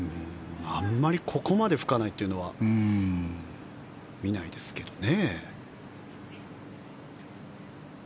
あまりここまで吹かないというのは見ないですけどね。